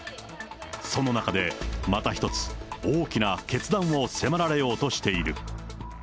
その中で、また一つ、大きな決断を迫られようとしている。